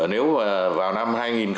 nếu vào năm hai nghìn sáu